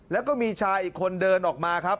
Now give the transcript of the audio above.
แล้วก็มีชายอีกคนเดินออกมาครับ